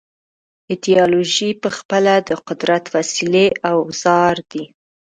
ایدیالوژۍ پخپله د قدرت وسیلې او اوزار دي.